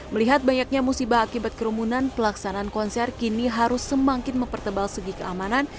melihat banyaknya musibah akibat kerumunan pelaksanaan konser kini harus semakin mempertebal segi keamanan